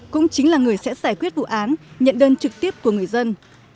cũng chính là người sẽ giải quyết vụ án nhận đơn trực tiếp của người dân